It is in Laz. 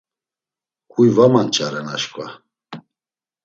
Huy va manç̌aren aşǩva.